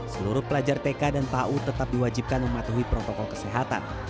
seluruh pelajar tk dan pau tetap diwajibkan mematuhi protokol kesehatan